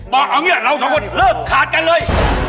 บอกเอาเนี่ยเราทั้งกันเลือกขาดกันเลย